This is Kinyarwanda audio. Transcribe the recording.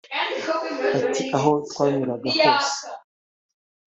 Ati “ Aho twanyuraga hose